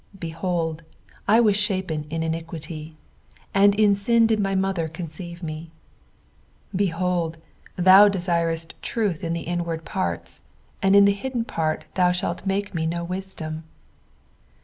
5 Behold, I was shapen in iniquity ; and in sin did my mother conceive me. 6 Behold, thou desirest truth in the inward parts : and in the hidden part thou shalt make me to know wisdom.